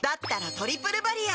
「トリプルバリア」